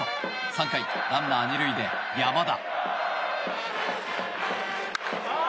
３回、ランナー２塁で山田。